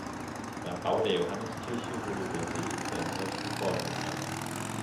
Beim Bau der Johanneskirche wurde der See in seine heutige Form gebracht.